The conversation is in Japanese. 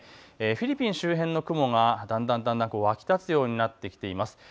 フィリピン周辺の雲がだんだん湧き立つようになってきています。